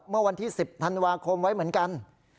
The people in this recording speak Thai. เมื่อวันที่๑๐ธันวาคมไว้เหมือนกัน